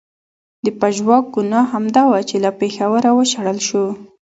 د پژواک ګناه همدا وه چې له پېښوره و شړل شو.